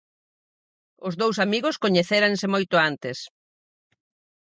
Os dous amigos coñecéranse moito antes.